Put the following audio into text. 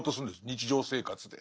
日常生活で。